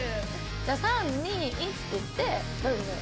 じゃあ「３２１」って言って。